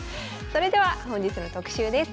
それでは本日の特集です。